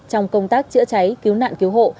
trong công tác chữa cháy cứu nạn cứu hộ